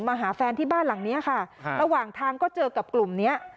มาหาแฟนที่บ้านหลังนี้ค่ะระหว่างทางก็เจอกับกลุ่มเนี้ย